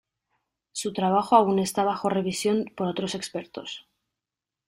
Su trabajo aún está bajo revisión por otros expertos.